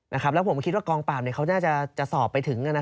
แล้วผมคิดว่ากองปราบเขาน่าจะสอบไปถึง